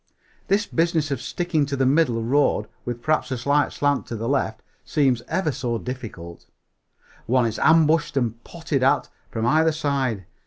This business of sticking to the middle of the road, with perhaps a slight slant to the left, seems ever so difficult. One is ambushed and potted at from either side.